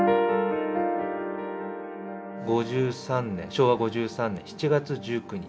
昭和５３年７月１９日。